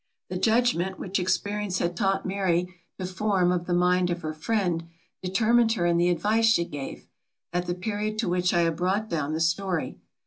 The judgment which experience had taught Mary to form of the mind of her friend, determined her in the advice she gave, at the period to which I have brought down the story.